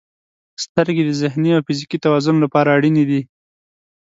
• سترګې د ذهني او فزیکي توازن لپاره اړینې دي.